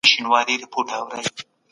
سیاسي پوهه د هر چا ضرورت دی.